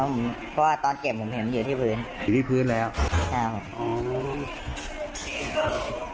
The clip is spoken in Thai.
เพราะว่าตอนเก็บผมเห็นอยู่ที่พื้นอยู่ที่พื้นแล้วใช่ครับอ๋อ